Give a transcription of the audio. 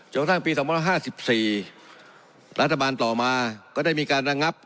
จนกระทั่งปีสำหรับห้าสิบสี่รัฐบาลต่อมาก็ได้มีการรังงับ